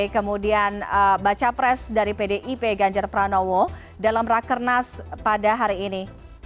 kemudian baca pres dari pdip ganjar pranowo dalam rakernas pada hari ini